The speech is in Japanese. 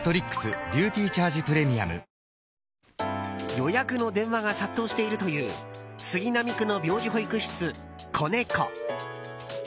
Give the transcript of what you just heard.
予約の電話が殺到しているという杉並区の病児保育室こねこ。